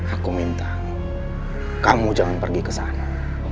aku minta kamu jangan pergi ke sana